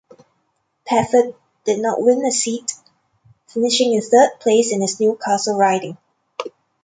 Pafford did not win a seat, finishing in third place in his Newcastle riding.